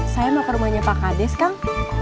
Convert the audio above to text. saya mau ke rumahnya pak kades kang